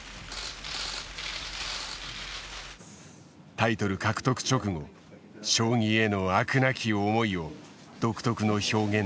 タイトル獲得直後将棋への飽くなき思いを独特の表現で語った。